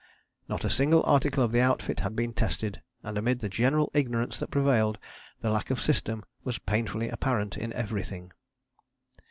"Not a single article of the outfit had been tested; and amid the general ignorance that prevailed the lack of system was painfully apparent in everything."